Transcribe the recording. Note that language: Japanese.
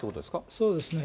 そうですね。